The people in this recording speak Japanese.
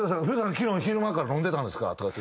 昨日昼間から飲んでたんですか？」とかって。